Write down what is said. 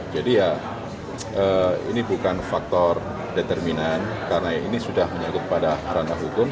jadi ya ini bukan faktor determinan karena ini sudah menyentuh pada arana hukum